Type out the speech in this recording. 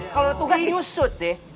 kalau tugas diusut deh